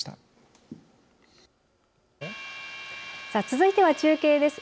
続いては中継です。